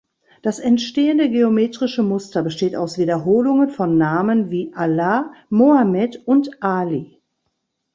Das entstehende geometrische Muster besteht aus Wiederholungen von Namen wie Allah, Mohammed und Ali.